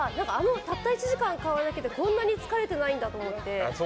たった１時間変わるだけでこんなに疲れていないんだと思って。